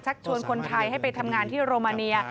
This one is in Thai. ชวนคนไทยให้ไปทำงานที่โรมาเนีย